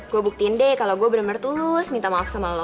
gue buktiin deh kalo gue bener bener tulus minta maaf sama lo